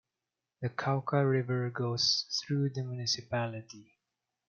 The Cauca River goes through the municipality.